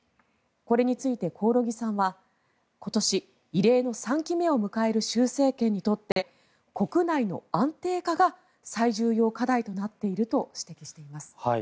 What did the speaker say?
これについて興梠さんは今年、異例の３期目を迎える習政権にとって国内の安定化が最重要課題となっていると指摘しています。